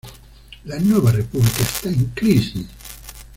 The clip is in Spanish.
La Nueva República está en crisis.